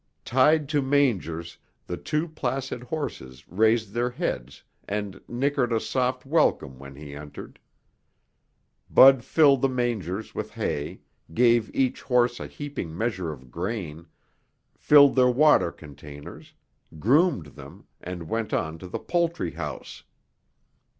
Tied to mangers, the two placid horses raised their heads and nickered a soft welcome when he entered. Bud filled the mangers with hay, gave each horse a heaping measure of grain, filled their water containers, groomed them and went on to the poultry house.